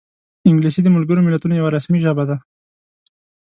انګلیسي د ملګرو ملتونو یوه رسمي ژبه ده